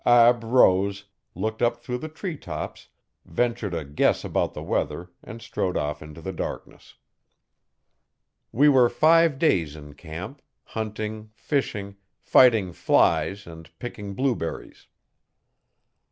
Ab rose, looked up through the tree tops, ventured a guess about the weather, and strode off into the darkness. We were five days in camp, hunting, fishing, fighting files and picking blueberries.